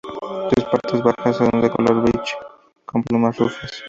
Sus partes bajas son de color beige, con plumas rufas.